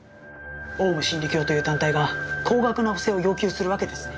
オウム真理教という団体が高額なお布施を要求するわけですね？